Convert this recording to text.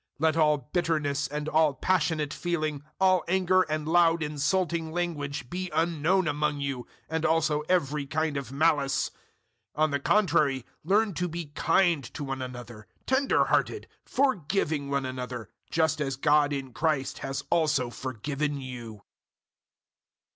004:031 Let all bitterness and all passionate feeling, all anger and loud insulting language, be unknown among you and also every kind of malice. 004:032 On the contrary learn to be kind to one another, tender hearted, forgiving one another, just as God in Christ has also forgiven you.